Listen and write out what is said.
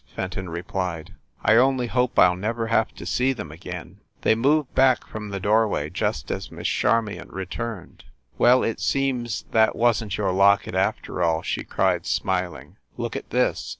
Fenton replied. "I only hope I ll never have to see them again." They moved back from the doorway just as Miss Charmion returned. "Well, it seems that wasn t your locket after all !" she cried, smiling. "Look at this!"